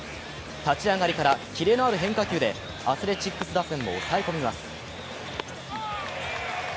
立ち上がりからキレのある変化球でアスレチックス打線を抑え込みます。